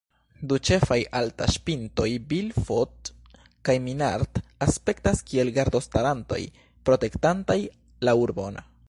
Du ĉefaj altaĵpintoj Bilfot kaj Minard aspektas kiel gardostarantoj, protektantaj la urbon.